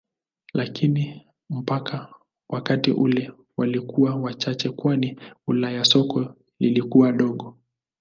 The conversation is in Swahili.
Lakini mpaka wakati ule walikuwa wachache kwani Ulaya soko lilikuwa dogo.